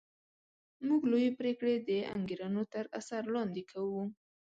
موږ لویې پرېکړې د انګېرنو تر اثر لاندې کوو